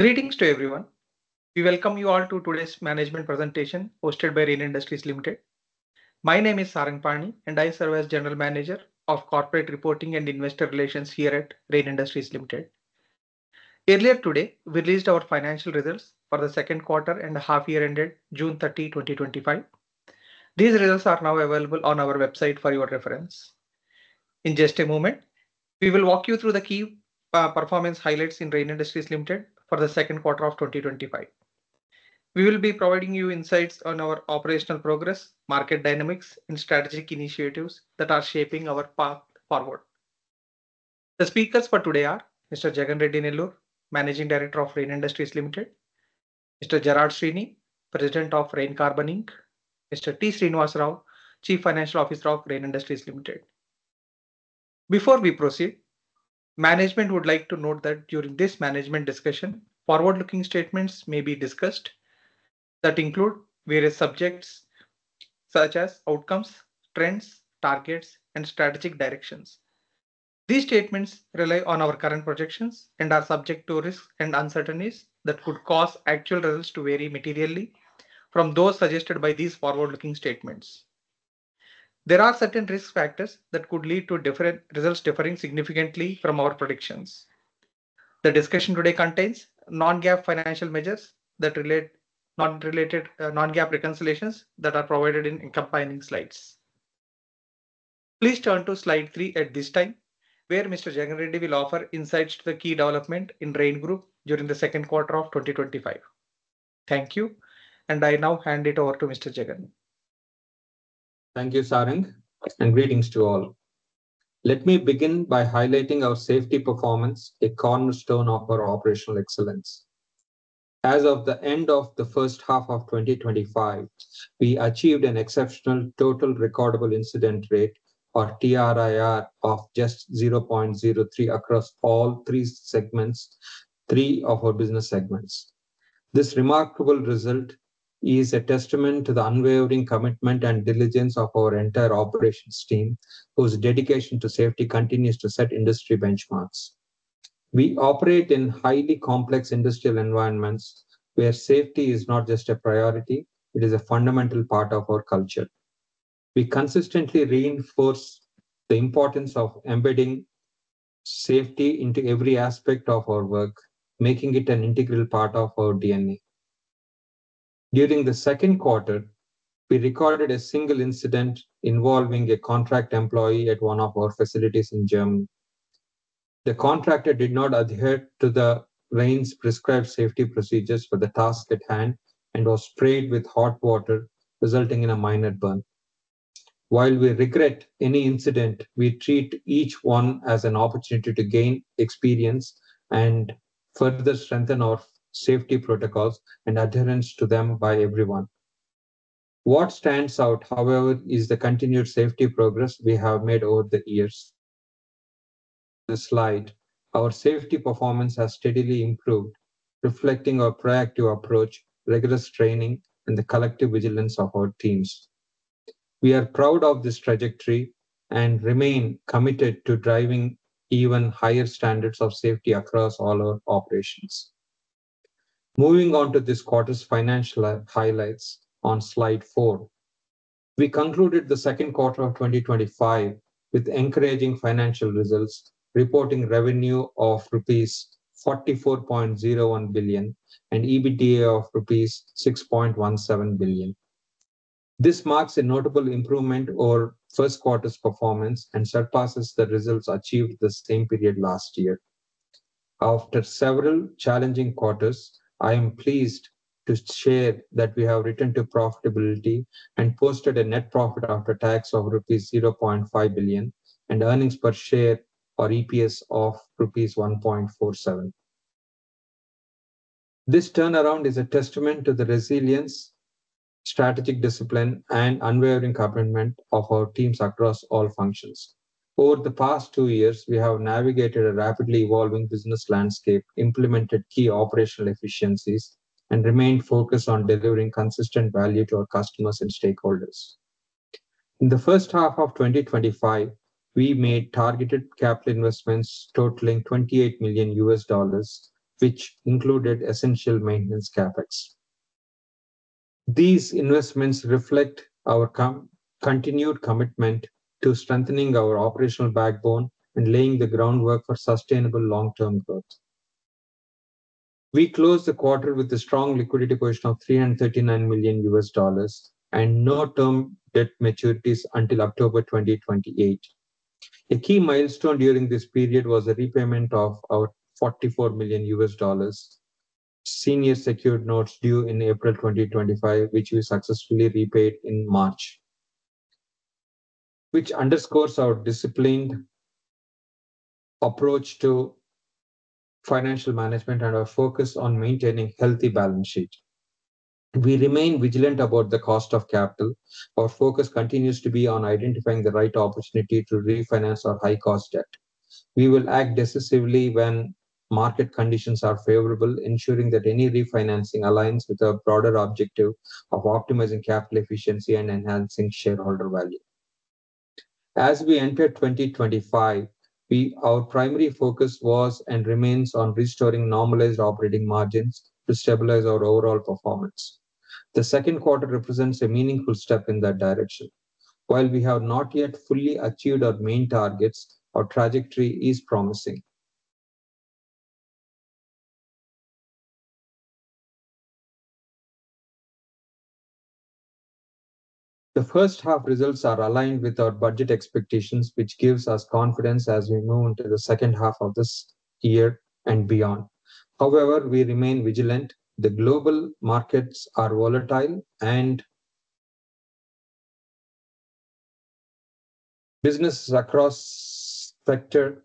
Greetings to everyone. We welcome you all to today's management presentation hosted by Rain Industries Limited. My name is Saranga Pani, and I serve as General Manager of Corporate Reporting and Investor Relations here at Rain Industries Limited. Earlier today, we released our financial results for the second quarter and half year ended June 30, 2025. These results are now available on our website for your reference. In just a moment, we will walk you through the key performance highlights in Rain Industries Limited for the second quarter of 2025. We will be providing you insights on our operational progress, market dynamics and strategic initiatives that are shaping our path forward. The speakers for today are Mr. Jagan Reddy Nellore, Managing Director of Rain Industries Limited, Mr. Gerard Sweeney, President of Rain Carbon Inc, Mr. T. Srinivasa Rao, Chief Financial Officer of Rain Industries Limited. Before we proceed, management would like to note that during this management discussion, forward-looking statements may be discussed that include various subjects such as outcomes, trends, targets, and strategic directions. These statements rely on our current projections and are subject to risks and uncertainties that could cause actual results to vary materially from those suggested by these forward-looking statements. There are certain risk factors that could lead to results differing significantly from our predictions. The discussion today contains non-GAAP financial measures that non-GAAP reconciliations that are provided in accompanying slides. Please turn to slide three at this time, where Mr. Jagan Reddy will offer insights to the key development in Rain Group during the second quarter of 2025. Thank you. I now hand it over to Mr. Jagan. Thank you, Sarang, and greetings to all. Let me begin by highlighting our safety performance, a cornerstone of our operational excellence. As of the end of the first half of 2025, we achieved an exceptional total recordable incident rate, or TRIR, of just 0.03 across all three of our business segments. This remarkable result is a testament to the unwavering commitment and diligence of our entire operations team, whose dedication to safety continues to set industry benchmarks. We operate in highly complex industrial environments where safety is not just a priority, it is a fundamental part of our culture. We consistently reinforce the importance of embedding safety into every aspect of our work, making it an integral part of our DNA. During the second quarter, we recorded a single incident involving a contract employee at one of our facilities in Germany. The contractor did not adhere to the Rain's prescribed safety procedures for the task at hand and was sprayed with hot water, resulting in a minor burn. While we regret any incident, we treat each one as an opportunity to gain experience and further strengthen our safety protocols and adherence to them by everyone. What stands out, however, is the continued safety progress we have made over the years. This slide, our safety performance has steadily improved, reflecting our proactive approach, rigorous training, and the collective vigilance of our teams. We are proud of this trajectory and remain committed to driving even higher standards of safety across all our operations. Moving on to this quarter's financial highlights on slide four. We concluded the second quarter of 2025 with encouraging financial results, reporting revenue of rupees 44.01 billion and EBITDA of rupees 6.17 billion. This marks a notable improvement over first quarter's performance and surpasses the results achieved the same period last year. After several challenging quarters, I am pleased to share that we have returned to profitability and posted a net profit after tax of rupees 0.5 billion and earnings per share or EPS of rupees 1.47. This turnaround is a testament to the resilience, strategic discipline, and unwavering commitment of our teams across all functions. Over the past two years, we have navigated a rapidly evolving business landscape, implemented key operational efficiencies, and remained focused on delivering consistent value to our customers and stakeholders. In the first half of 2025, we made targeted capital investments totaling $28 million, which included essential maintenance CapEx. These investments reflect our continued commitment to strengthening our operational backbone and laying the groundwork for sustainable long-term growth. We closed the quarter with a strong liquidity position of $339 million and no term debt maturities until October 2028. A key milestone during this period was a repayment of our $44 million Senior Secured Notes due in April 2025, which we successfully repaid in March, which underscores our disciplined approach to financial management and our focus on maintaining healthy balance sheet. We remain vigilant about the cost of capital. Our focus continues to be on identifying the right opportunity to refinance our high cost debt. We will act decisively when market conditions are favorable, ensuring that any refinancing aligns with our broader objective of optimizing capital efficiency and enhancing shareholder value. As we enter 2025, our primary focus was and remains on restoring normalized operating margins to stabilize our overall performance. The second quarter represents a meaningful step in that direction. While we have not yet fully achieved our main targets, our trajectory is promising. The first half results are aligned with our budget expectations, which gives us confidence as we move into the second half of this year and beyond. However, we remain vigilant. The global markets are volatile and businesses across sector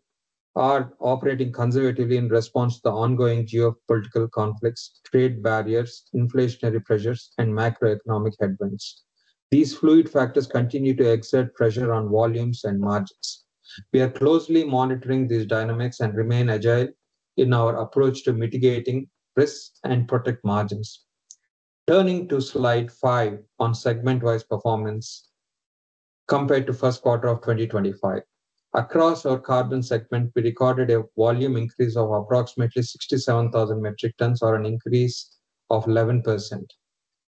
are operating conservatively in response to the ongoing geopolitical conflicts, trade barriers, inflationary pressures, and macroeconomic headwinds. These fluid factors continue to exert pressure on volumes and margins. We are closely monitoring these dynamics and remain agile in our approach to mitigating risks and protect margins. Turning to slide five on segment-wise performance compared to first quarter of 2025. Across our Carbon segment, we recorded a volume increase of approximately 67,000 metric tons or an increase of 11%.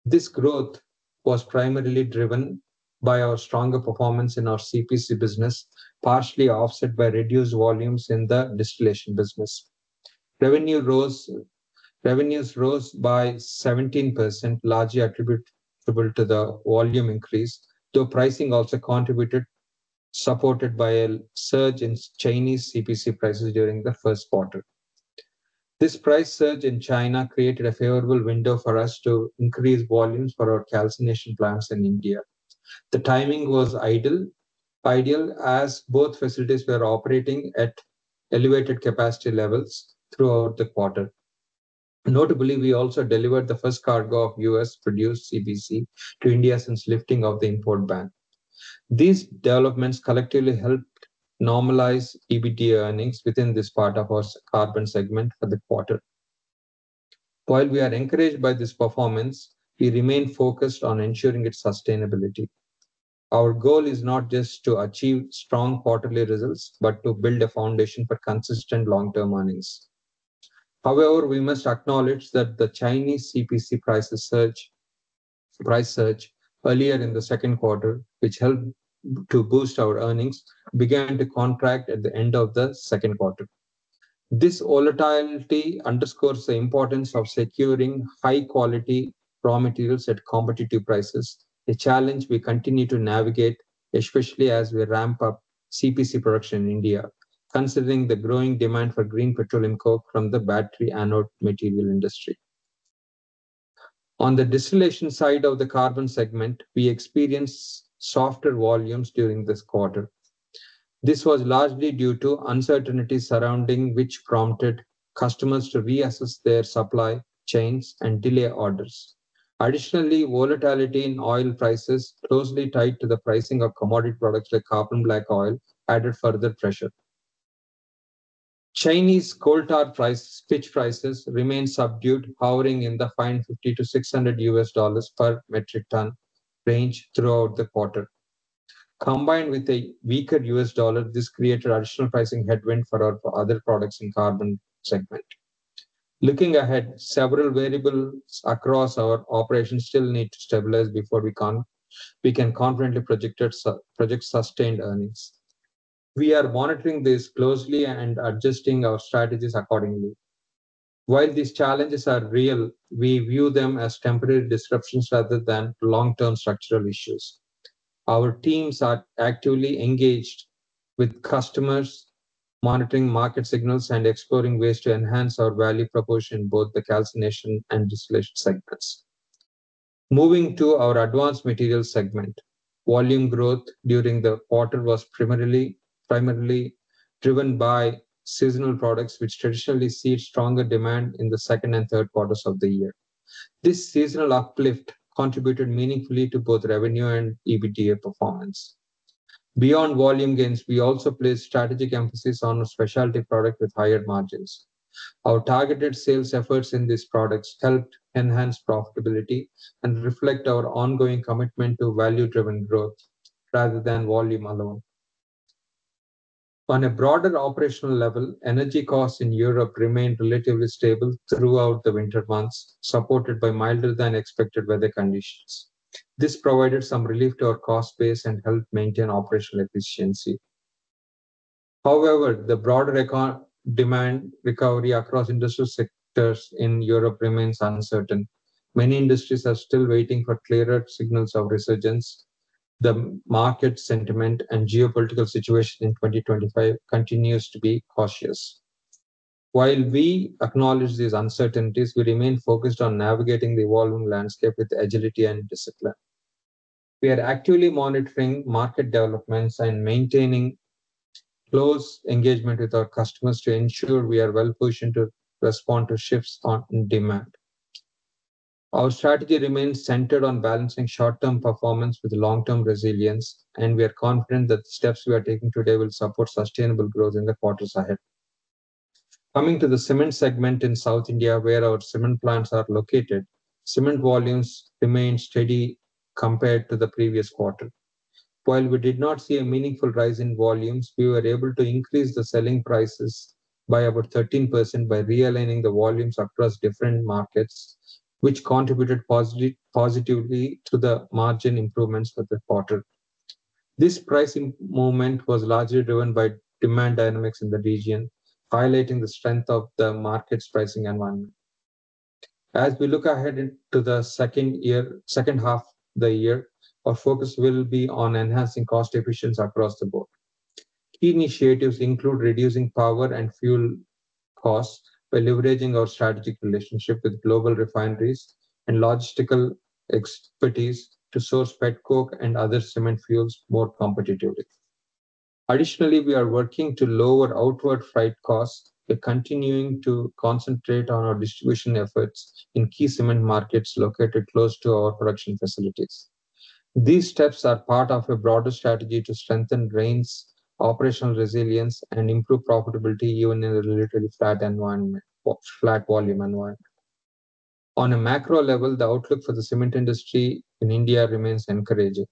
This growth was primarily driven by our stronger performance in our CPC business, partially offset by reduced volumes in the distillation business. Revenues rose by 17%, largely attributable to the volume increase, though pricing also contributed, supported by a surge in Chinese CPC prices during the first quarter. This price surge in China created a favorable window for us to increase volumes for our calcination plants in India. The timing was ideal as both facilities were operating at elevated capacity levels throughout the quarter. Notably, we also delivered the first cargo of U.S.-produced CPC to India since lifting of the import ban. These developments collectively helped normalize EBITDA earnings within this part of our Carbon segment for the quarter. While we are encouraged by this performance, we remain focused on ensuring its sustainability. Our goal is not just to achieve strong quarterly results, but to build a foundation for consistent long-term earnings. We must acknowledge that the Chinese CPC price surge earlier in the second quarter, which helped to boost our earnings, began to contract at the end of the second quarter. This volatility underscores the importance of securing high-quality raw materials at competitive prices, a challenge we continue to navigate, especially as we ramp up CPC production in India, considering the growing demand for Green Petroleum Coke from the battery anode material industry. On the distillation side of the Carbon segment, we experienced softer volumes during this quarter. This was largely due to uncertainties surrounding which prompted customers to reassess their supply chains and delay orders. Additionally, volatility in oil prices closely tied to the pricing of commodity products like carbon black oil added further pressure. Chinese coal tar pitch prices remained subdued, hovering in the $550-$600 per metric ton range throughout the quarter. Combined with a weaker U.S. dollar, this created additional pricing headwind for our other products in Carbon segment. Looking ahead, several variables across our operations still need to stabilize before we can confidently project sustained earnings. We are monitoring this closely and adjusting our strategies accordingly. While these challenges are real, we view them as temporary disruptions rather than long-term structural issues. Our teams are actively engaged with customers, monitoring market signals, and exploring ways to enhance our value proposition in both the calcination and distillation segments. Moving to our Advanced Materials segment. Volume growth during the quarter was primarily driven by seasonal products, which traditionally see stronger demand in the second and third quarters of the year. This seasonal uplift contributed meaningfully to both revenue and EBITDA performance. Beyond volume gains, we also placed strategic emphasis on a specialty product with higher margins. Our targeted sales efforts in these products helped enhance profitability and reflect our ongoing commitment to value-driven growth rather than volume alone. On a broader operational level, energy costs in Europe remained relatively stable throughout the winter months, supported by milder than expected weather conditions. This provided some relief to our cost base and helped maintain operational efficiency. However, the broader demand recovery across industrial sectors in Europe remains uncertain. Many industries are still waiting for clearer signals of resurgence. The market sentiment and geopolitical situation in 2025 continues to be cautious. While we acknowledge these uncertainties, we remain focused on navigating the evolving landscape with agility and discipline. We are actively monitoring market developments and maintaining close engagement with our customers to ensure we are well-positioned to respond to shifts on demand. Our strategy remains centered on balancing short-term performance with long-term resilience. We are confident that the steps we are taking today will support sustainable growth in the quarters ahead. Coming to the Cement segment in South India where our cement plants are located, cement volumes remained steady compared to the previous quarter. While we did not see a meaningful rise in volumes, we were able to increase the selling prices by about 13% by realigning the volumes across different markets, which contributed positively to the margin improvements for the quarter. This pricing movement was largely driven by demand dynamics in the region, highlighting the strength of the market's pricing environment. As we look ahead into the second half of the year, our focus will be on enhancing cost efficiency across the board. Key initiatives include reducing power and fuel costs by leveraging our strategic relationship with global refineries and logistical expertise to source petcoke and other cement fuels more competitively. Additionally, we are working to lower outward freight costs by continuing to concentrate on our distribution efforts in key cement markets located close to our production facilities. These steps are part of a broader strategy to strengthen Rain's operational resilience and improve profitability even in a relatively flat environment or flat volume environment. On a macro level, the outlook for the cement industry in India remains encouraging.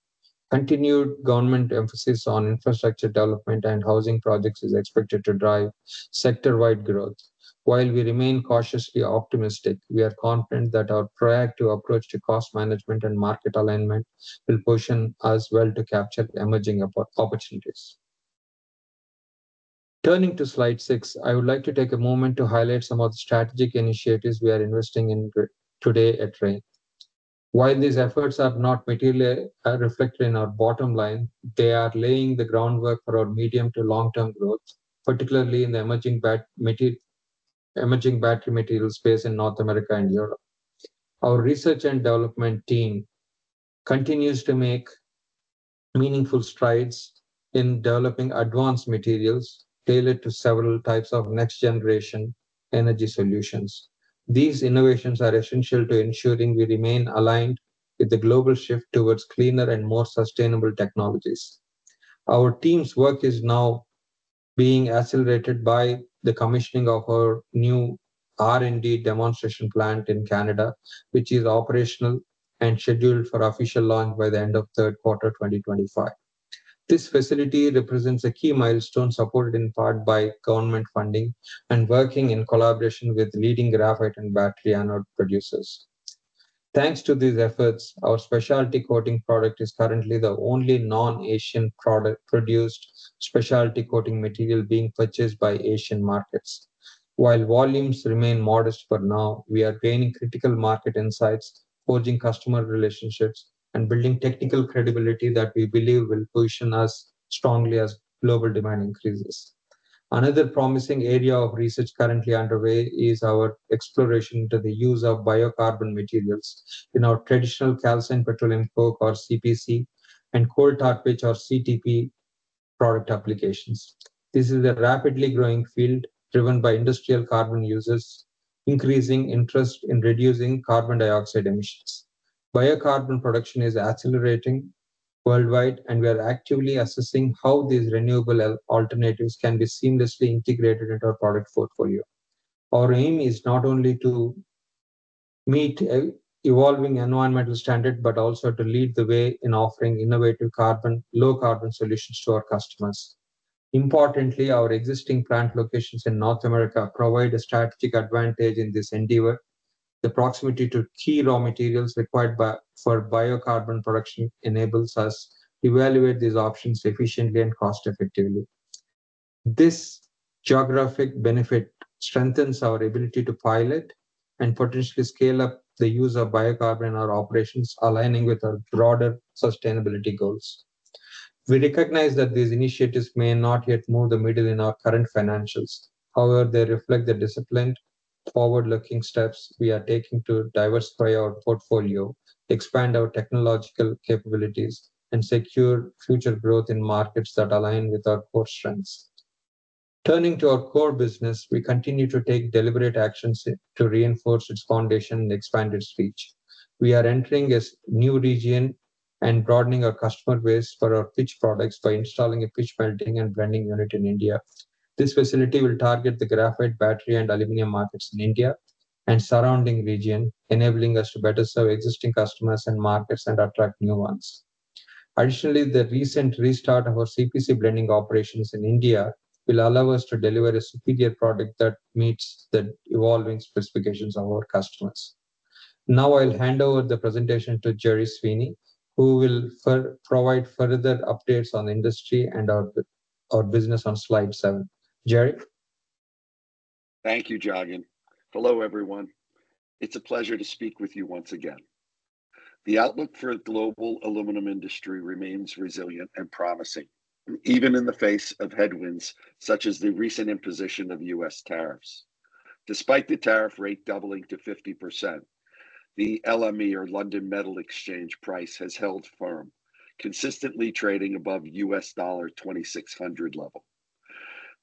Continued government emphasis on infrastructure development and housing projects is expected to drive sector-wide growth. While we remain cautiously optimistic, we are confident that our proactive approach to cost management and market alignment will position us well to capture emerging opportunities. Turning to slide six, I would like to take a moment to highlight some of the strategic initiatives we are investing in today at Rain. While these efforts are not materially reflected in our bottom line, they are laying the groundwork for our medium to long-term growth, particularly in the emerging battery materials space in North America and Europe. Our research and development team continues to make meaningful strides in developing advanced materials tailored to several types of next-generation energy solutions. These innovations are essential to ensuring we remain aligned with the global shift towards cleaner and more sustainable technologies. Our team's work is now being accelerated by the commissioning of our new R&D demonstration plant in Canada, which is operational and scheduled for official launch by the end of third quarter 2025. This facility represents a key milestone supported in part by government funding and working in collaboration with leading graphite and battery anode producers. Thanks to these efforts, our specialty coating product is currently the only non-Asian produced specialty coating material being purchased by Asian markets. While volumes remain modest for now, we are gaining critical market insights, forging customer relationships, and building technical credibility that we believe will position us strongly as global demand increases. Another promising area of research currently underway is our exploration into the use of biocarbon materials in our traditional calcined petroleum coke, or CPC, and coal tar pitch, or CTP, product applications. This is a rapidly growing field driven by industrial carbon users increasing interest in reducing carbon dioxide emissions. Biocarbon production is accelerating worldwide, and we are actively assessing how these renewable alternatives can be seamlessly integrated into our product portfolio. Our aim is not only to meet evolving environmental standard, but also to lead the way in offering innovative carbon, low carbon solutions to our customers. Importantly, our existing plant locations in North America provide a strategic advantage in this endeavor. The proximity to key raw materials required for biocarbon production enables us evaluate these options efficiently and cost effectively. This geographic benefit strengthens our ability to pilot and potentially scale up the use of biocarbon in our operations, aligning with our broader sustainability goals. We recognize that these initiatives may not yet move the needle in our current financials. However, they reflect the disciplined, forward-looking steps we are taking to diversify our portfolio, expand our technological capabilities, and secure future growth in markets that align with our core strengths. Turning to our core business, we continue to take deliberate actions to reinforce its foundation and expand its reach. We are entering a new region and broadening our customer base for our pitch products by installing a pitch melting and blending unit in India. This facility will target the graphite, battery, and aluminum markets in India and surrounding region, enabling us to better serve existing customers and markets and attract new ones. Additionally, the recent restart of our CPC blending operations in India will allow us to deliver a superior product that meets the evolving specifications of our customers. Now I'll hand over the presentation to Gerry Sweeney, who will provide further updates on industry and our business on slide seven. Gerry? Thank you, Jagan. Hello, everyone. It's a pleasure to speak with you once again. The outlook for global aluminum industry remains resilient and promising, even in the face of headwinds such as the recent imposition of U.S. tariffs. Despite the tariff rate doubling to 50%, the LME or London Metal Exchange price has held firm, consistently trading above $2,600 level.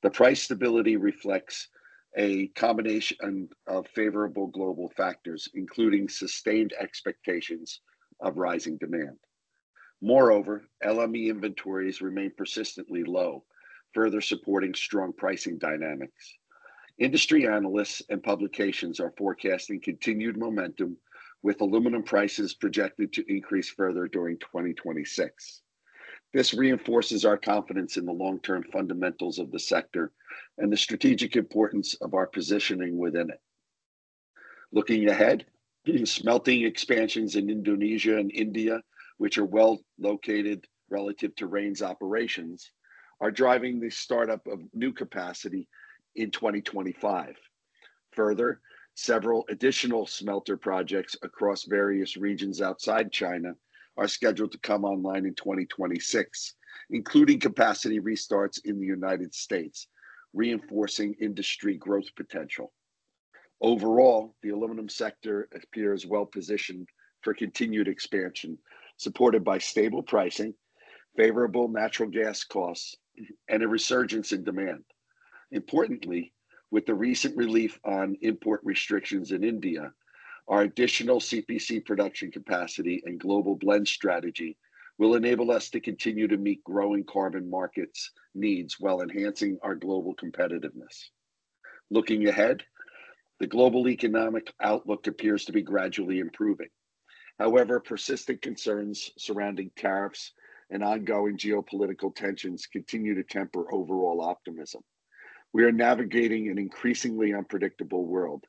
The price stability reflects a combination of favorable global factors, including sustained expectations of rising demand. Moreover, LME inventories remain persistently low, further supporting strong pricing dynamics. Industry analysts and publications are forecasting continued momentum, with aluminum prices projected to increase further during 2026. This reinforces our confidence in the long-term fundamentals of the sector and the strategic importance of our positioning within it. Looking ahead, these smelting expansions in Indonesia and India, which are well located relative to Rain's operations, are driving the startup of new capacity in 2025. Further, several additional smelter projects across various regions outside China are scheduled to come online in 2026, including capacity restarts in the U.S., reinforcing industry growth potential. Overall, the aluminum sector appears well-positioned for continued expansion, supported by stable pricing, favorable natural gas costs, and a resurgence in demand. Importantly, with the recent relief on import restrictions in India, our additional CPC production capacity and global blend strategy will enable us to continue to meet growing carbon markets' needs while enhancing our global competitiveness. Looking ahead, the global economic outlook appears to be gradually improving. However, persistent concerns surrounding tariffs and ongoing geopolitical tensions continue to temper overall optimism. We are navigating an increasingly unpredictable world,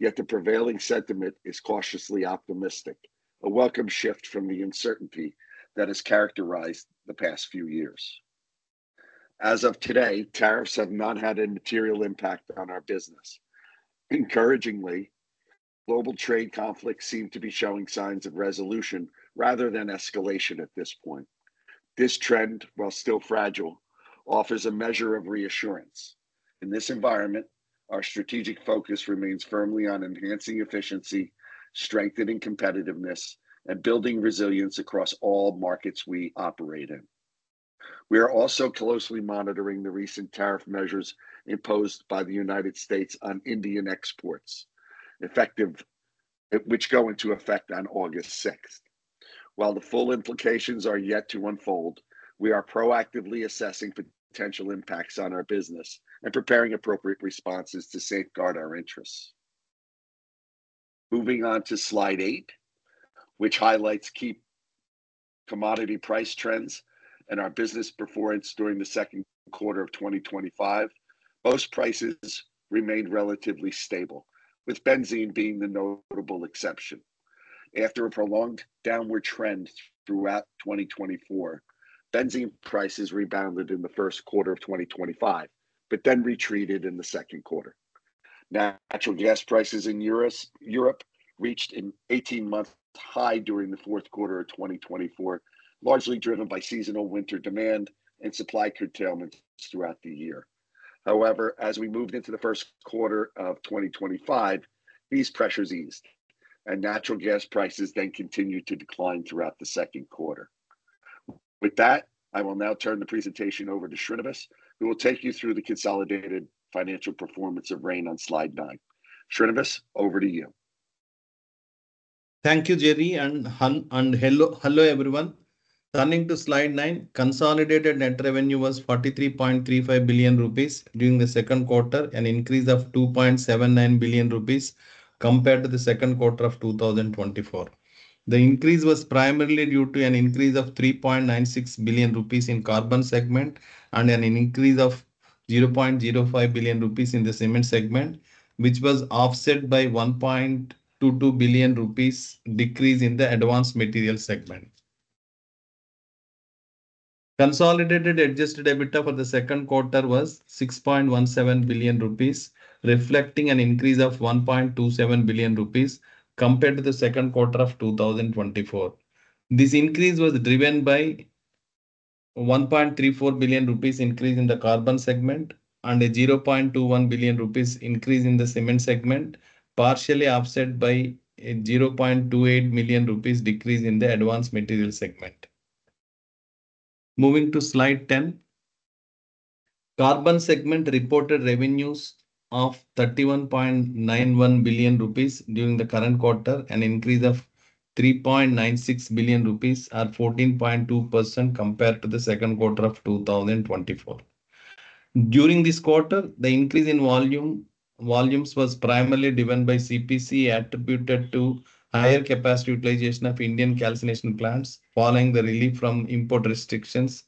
yet the prevailing sentiment is cautiously optimistic, a welcome shift from the uncertainty that has characterized the past few years. As of today, tariffs have not had a material impact on our business. Encouragingly, global trade conflicts seem to be showing signs of resolution rather than escalation at this point. This trend, while still fragile, offers a measure of reassurance. In this environment, our strategic focus remains firmly on enhancing efficiency, strengthening competitiveness, and building resilience across all markets we operate in. We are also closely monitoring the recent tariff measures imposed by the U.S. on Indian exports, which go into effect on August 6. While the full implications are yet to unfold, we are proactively assessing potential impacts on our business and preparing appropriate responses to safeguard our interests. Moving on to slide eight, which highlights key commodity price trends and our business performance during the second quarter of 2025. Most prices remained relatively stable, with benzene being the notable exception. After a prolonged downward trend throughout 2024, benzene prices rebounded in the first quarter of 2025, but then retreated in the second quarter. Natural gas prices in Europe reached an 18-month high during the fourth quarter of 2024, largely driven by seasonal winter demand and supply curtailment throughout the year. As we moved into the first quarter of 2025, these pressures eased, and natural gas prices then continued to decline throughout the second quarter. With that, I will now turn the presentation over to Srinivas, who will take you through the consolidated financial performance of Rain on slide nine. Srinivas, over to you. Thank you, Gerry, hello, everyone. Turning to slide nine, consolidated net revenue was 43.35 billion rupees during the second quarter, an increase of 2.79 billion rupees compared to the second quarter of 2024. The increase was primarily due to an increase of 3.96 billion rupees in Carbon segment and an increase of 0.05 billion rupees in the Cement segment, which was offset by 1.22 billion rupees decrease in the Advanced Materials segment. Consolidated adjusted EBITDA for the second quarter was 6.17 billion rupees, reflecting an increase of 1.27 billion rupees compared to the second quarter of 2024. This increase was driven by 1.34 billion rupees increase in the Carbon segment and a 0.21 billion rupees increase in the Cement segment, partially offset by a 0.28 million rupees decrease in the Advanced Materials segment. Moving to slide 10. Carbon segment reported revenues of 31.91 billion rupees during the current quarter, an increase of 3.96 billion rupees at 14.2% compared to the second quarter of 2024. During this quarter, the increase in volumes was primarily driven by CPC, attributed to higher capacity utilization of Indian calcination plants following the relief from import restrictions,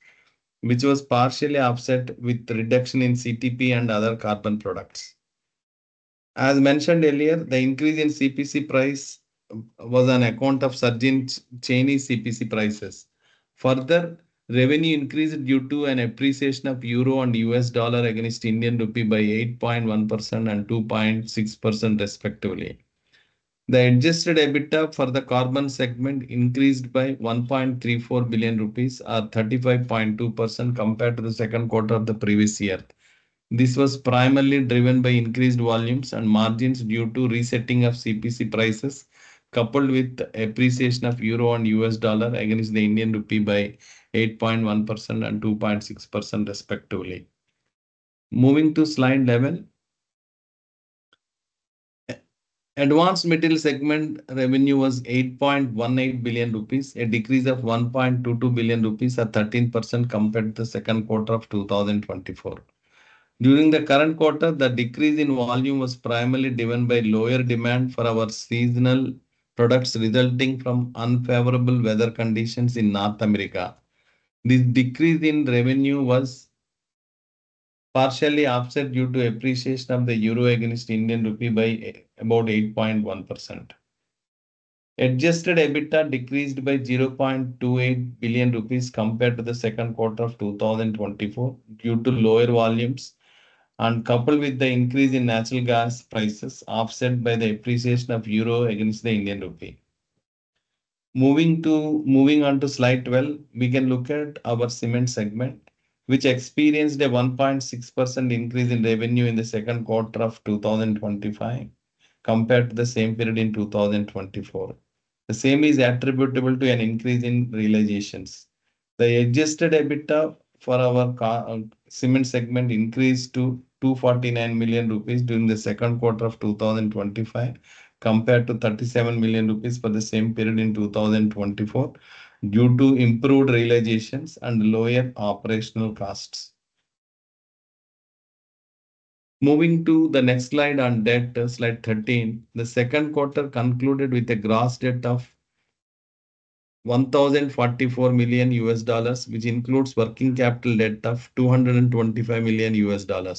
which was partially offset with reduction in CTP and other carbon products. As mentioned earlier, the increase in CPC price was on account of surging Chinese CPC prices. Further, revenue increased due to an appreciation of EUR and USD against INR by 8.1% and 2.6% respectively. The adjusted EBITDA for the Carbon segment increased by 1.34 billion rupees, or 35.2% compared to the second quarter of the previous year. This was primarily driven by increased volumes and margins due to resetting of CPC prices, coupled with appreciation of EUR and USD against the INR by 8.1% and 2.6% respectively. Moving to slide 11. Advanced Materials segment revenue was 8.18 billion rupees, a decrease of 1.22 billion rupees at 13% compared to the second quarter of 2024. During the current quarter, the decrease in volume was primarily driven by lower demand for our seasonal products resulting from unfavorable weather conditions in North America. This decrease in revenue was partially offset due to appreciation of the EUR against INR by about 8.1%. Adjusted EBITDA decreased by 0.28 billion rupees compared to the second quarter of 2024 due to lower volumes and coupled with the increase in natural gas prices, offset by the appreciation of euro against the Indian rupee. Moving on to slide 12, we can look at our Cement segment, which experienced a 1.6% increase in revenue in the second quarter of 2025 compared to the same period in 2024. The same is attributable to an increase in realizations. The adjusted EBITDA for our Cement segment increased to 249 million rupees during the second quarter of 2025 compared to 37 million rupees for the same period in 2024 due to improved realizations and lower operational costs. Moving to the next slide on debt, slide 13. The second quarter concluded with a gross debt of $1,044 million, which includes working capital debt of $225 million.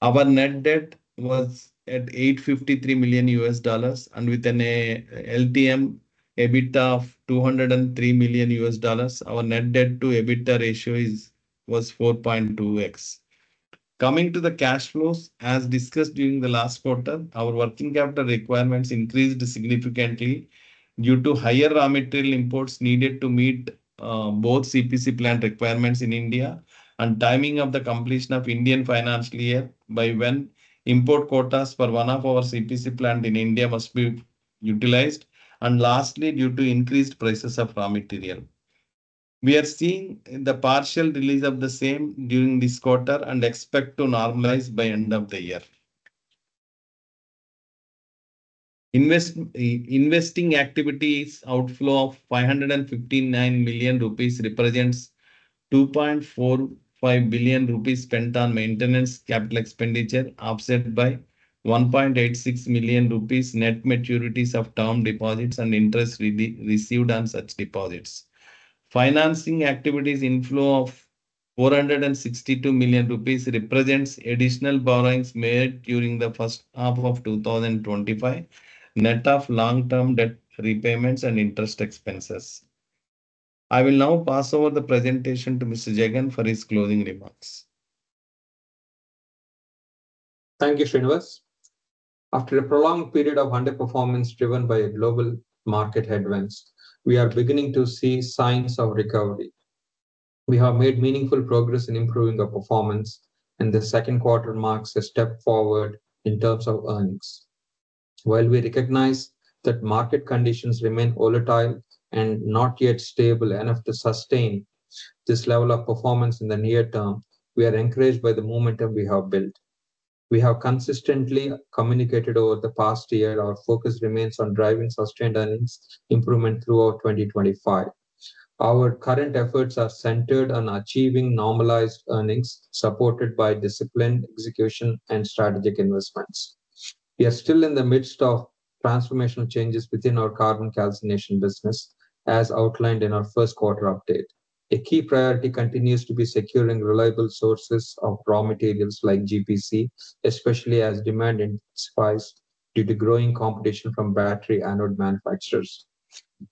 Our net debt was at $853 million, and with an LTM EBITDA of $203 million, our net debt to EBITDA ratio was 4.2x. Coming to the cash flows, as discussed during the last quarter, our working capital requirements increased significantly due to higher raw material imports needed to meet both CPC plant requirements in India and timing of the completion of Indian financial year by when import quotas for one of our CPC plant in India must be utilized, and lastly, due to increased prices of raw material. We are seeing the partial release of the same during this quarter and expect to normalize by end of the year. Investing activities outflow of 559 million rupees represents 2.45 billion rupees spent on maintenance, capital expenditure, offset by 1.86 million rupees, net maturities of term deposits, and interest received on such deposits. Financing activities inflow of 462 million rupees represents additional borrowings made during the first half of 2025, net of long-term debt repayments and interest expenses. I will now pass over the presentation to Mr. Jagan for his closing remarks. Thank you, Srinivas. After a prolonged period of underperformance driven by global market headwinds, we are beginning to see signs of recovery. We have made meaningful progress in improving the performance, and the second quarter marks a step forward in terms of earnings. While we recognize that market conditions remain volatile and not yet stable enough to sustain this level of performance in the near-term, we are encouraged by the momentum we have built. We have consistently communicated over the past year, our focus remains on driving sustained earnings improvement throughout 2025. Our current efforts are centered on achieving normalized earnings, supported by disciplined execution and strategic investments. We are still in the midst of transformational changes within our carbon calcination business, as outlined in our first quarter update. A key priority continues to be securing reliable sources of raw materials like GPC, especially as demand intensifies due to growing competition from battery anode manufacturers.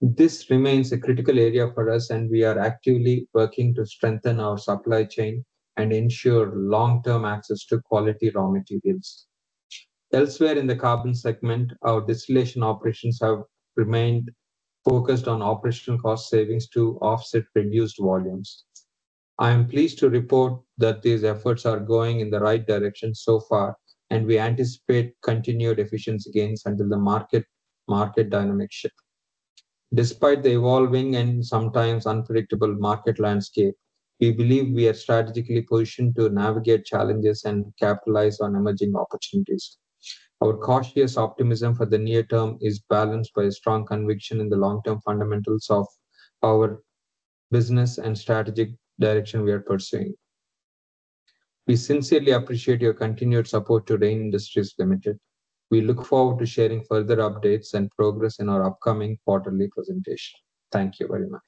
This remains a critical area for us, and we are actively working to strengthen our supply chain and ensure long-term access to quality raw materials. Elsewhere in the Carbon segment, our distillation operations have remained focused on operational cost savings to offset reduced volumes. I am pleased to report that these efforts are going in the right direction so far, and we anticipate continued efficiency gains until the market dynamics shift. Despite the evolving and sometimes unpredictable market landscape, we believe we are strategically positioned to navigate challenges and capitalize on emerging opportunities. Our cautious optimism for the near-term is balanced by a strong conviction in the long-term fundamentals of our business and strategic direction we are pursuing. We sincerely appreciate your continued support to Rain Industries Limited. We look forward to sharing further updates and progress in our upcoming quarterly presentation. Thank you very much.